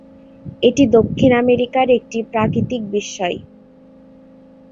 এটি দক্ষিণ আমেরিকার একটি প্রাকৃতিক বিস্ময়।